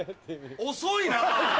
遅いな！